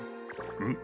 うん？